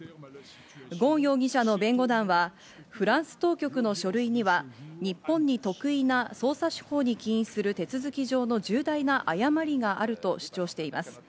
ゴーン容疑者の弁護団はフランス当局の書類には日本に特異な捜査手法に起因する手続き上の重大な誤りがあると主張しています。